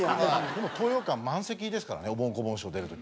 でも東洋館満席ですからねおぼん・こぼん師匠出る時。